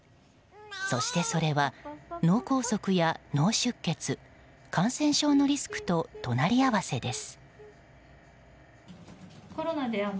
そしてそれは脳梗塞や脳出血感染症のリスクと隣り合わせです。